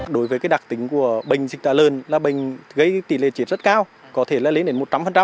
đối với đặc tính của bệnh dịch tả lớn là bệnh gây tỷ lệ triệt rất cao có thể lên đến một trăm linh